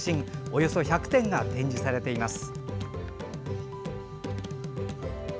およそ１００点が展示されています。